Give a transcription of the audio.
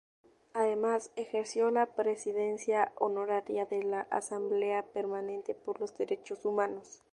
Además, ejerció la presidencia honoraria de la Asamblea Permanente por los Derechos Humanos.